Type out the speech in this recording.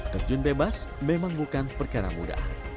terjun bebas memang bukan perkara mudah